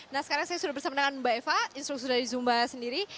nah sekarang saya sudah bersama dengan mbak eva instruksi dari zumba sendiri